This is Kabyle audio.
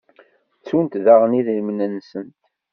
Ttunt daɣen idrimen-nsent.